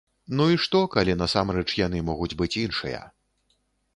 Ну і што, калі насамрэч яны могуць быць іншыя.